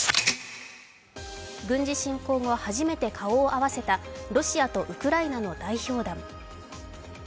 軍事侵攻後初めて顔を合わせたロシアとウクライナの代表団。